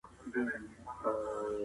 روغ ماشوم د ټولنې راتلونکی دی.